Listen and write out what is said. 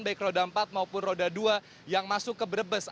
baik roda empat maupun roda dua yang masuk ke brebes